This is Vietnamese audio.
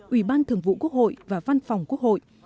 ủy ban thường vụ quốc hội và văn phòng quốc hội